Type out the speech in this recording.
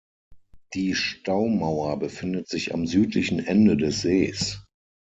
Die Staumauer befindet sich am südlichen Ende des Sees.